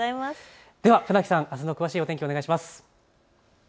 では船木さん、あすの詳しい天気、お願いします。